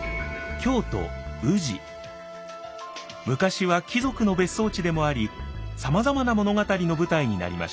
昔は貴族の別荘地でもありさまざまな物語の舞台になりました。